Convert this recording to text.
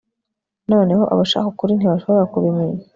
noneho abashaka ukuri ntibashobora kubimenya